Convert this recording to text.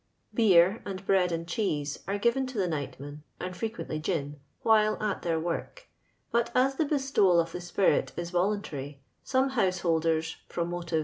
Beer, and bread and cheese, are given to the nightmen, and frequently gin, while at their work ; but as the bestowal of the spirit is volun tary, some householders from motivi.